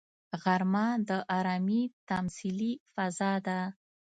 غرمه د ارامي تمثیلي فضا ده